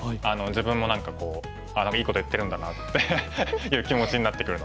自分も何かいいこと言ってるんだなっていう気持ちになってくるので。